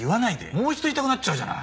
もう一度言いたくなっちゃうじゃない。